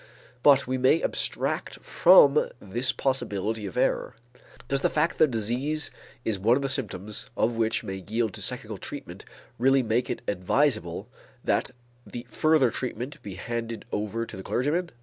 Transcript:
But we may abstract from this possibility of error. Does the fact that the disease is one the symptoms of which may yield to psychical treatment really make it advisable that the further treatment be handed over to the clergyman?